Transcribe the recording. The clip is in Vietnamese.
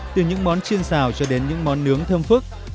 từ những món chiên xào cho đến những món nướng thơm phức